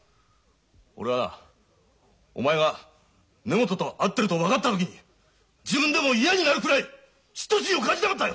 俺はなお前が根本と会ってると分かった時自分でも嫌になるくらい嫉妬心を感じなかったよ。